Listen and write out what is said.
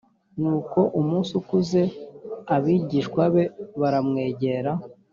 nuko umunsi ukuze abigishwa be baramwegera